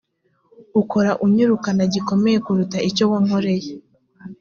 ukora unyirukana gikomeye kuruta icyo wankoreye